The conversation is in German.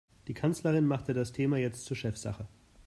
Die Kanzlerin machte das Thema jetzt zur Chefsache.